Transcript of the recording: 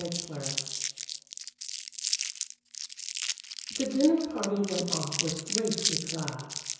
There!" XV The dinner party went off with great éclat.